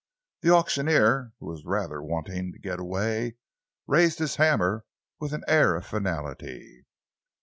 The auctioneer, who was rather wanting to get away, raised his hammer with an air of finality.